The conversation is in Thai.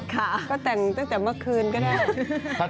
ก็แต่งจากเมื่อคืนก็ได้